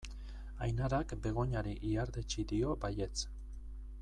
Ainarak Begoñari ihardetsi dio baietz.